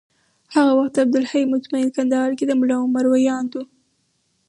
هغه وخت عبدالحی مطمین کندهار کي د ملا عمر ویاند و